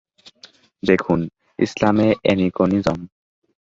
দেখুন: ইসলামে অ্যানিকোনিজম।